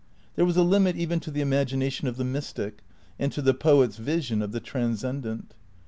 There was a limit even to the imagination of the mystic, and to the poet's vision of the Transcendent.